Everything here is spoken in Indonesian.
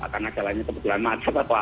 karena jalannya kebetulan masuk